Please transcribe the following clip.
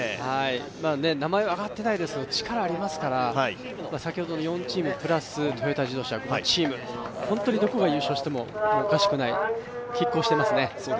名前が挙がっていないですけど力がありますから先ほどの４チームプラス、トヨタ自動車、５チーム、本当にどこが優勝してもおかしくない、きっ抗してますね。